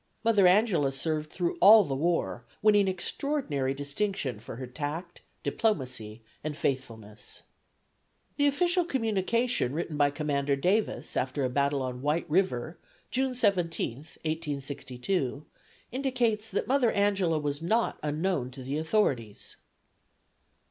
Mother Angela served through all the war, winning extraordinary distinction for tact, diplomacy and faithfulness. The official communication written by Commander Davis after a battle on White River, June 17, 1862, indicates that Mother Angela was not unknown to the authorities.